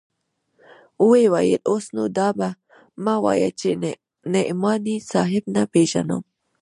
ويې ويل اوس نو دا مه وايه چې نعماني صاحب نه پېژنم.